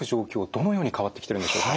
どのように変わってきてるんでしょうか。